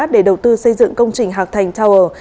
để đầu tư xây dựng công trình hạc thành tower